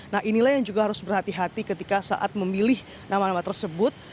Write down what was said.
nah inilah yang juga harus berhati hati ketika saat memilih nama nama tersebut